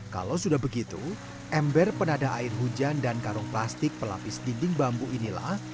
kalau sudah begitu ember penadah air hujan dan karung plastik pelapis dinding bambu inilah